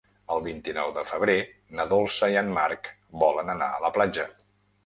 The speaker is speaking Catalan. El vint-i-nou de febrer na Dolça i en Marc volen anar a la platja.